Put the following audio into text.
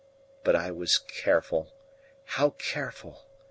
But I was careful how careful!